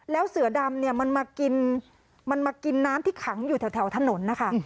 แล้วเสือดำมันมากินน้ำที่ขังอยู่แถวถนนนะคะ